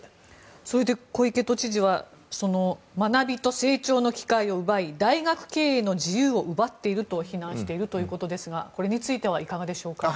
それで小池都知事は学びと成長の機会を奪い大学経営の自由を奪っていると非難しているということですがこれについてはいかがですか？